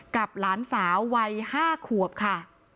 กับหลานสาววัยห้าขวบค่ะ